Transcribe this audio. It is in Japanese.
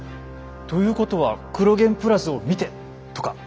ということは「『クロ現プラス』を見て」とか？